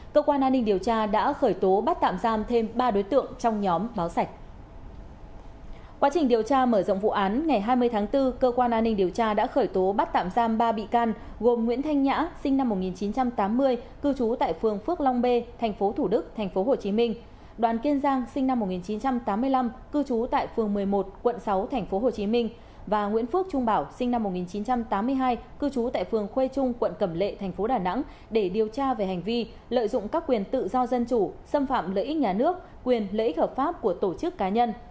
cơ quan an ninh điều tra đã khởi tố bắt tạm giam ba bị can gồm nguyễn thanh nhã sinh năm một nghìn chín trăm tám mươi cư trú tại phường phước long b tp thủ đức tp hcm đoàn kiên giang sinh năm một nghìn chín trăm tám mươi năm cư trú tại phường một mươi một quận sáu tp hcm và nguyễn phước trung bảo sinh năm một nghìn chín trăm tám mươi hai cư trú tại phường khuê trung quận cẩm lệ tp đà nẵng để điều tra về hành vi lợi dụng các quyền tự do dân chủ xâm phạm lợi ích nhà nước quyền lợi ích hợp pháp của tổ chức cá nhân